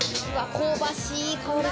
香ばしい香りが。